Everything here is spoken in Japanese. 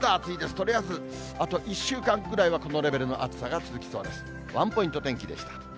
とりあえずあと１週間ぐらいはこのレベルの暑さが続きそうです。